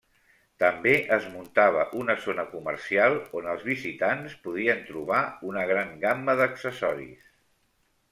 També es muntava una zona comercial on els visitants podien trobar una gran gamma d'accessoris.